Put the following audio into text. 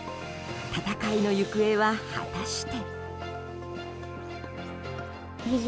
闘いの行方は果たして。